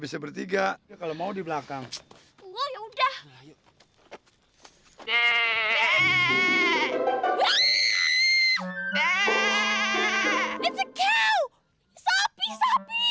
bisa bertiga kalau mau di belakang udah